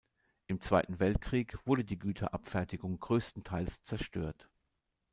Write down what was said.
Im Zweiten Weltkrieg wurde die Güterabfertigung größtenteils zerstört.